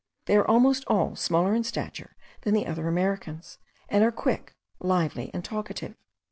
They are almost all smaller in stature than the other Americans, and are quick, lively, and talkative.